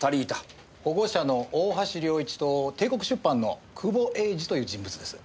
保護者の大橋良一と帝国出版の久保栄司という人物です。